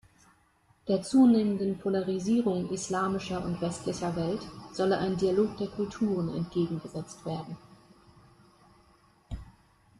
Der zunehmenden Polarisierung islamischer und westlicher Welt solle ein Dialog der Kulturen entgegengesetzt werden.